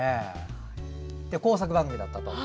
工作番組だったと。